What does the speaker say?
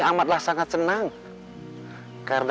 biarpun aku cari ke ujung negeri ini